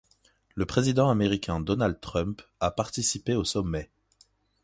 Le Président américain Donald Trump a participé au sommet.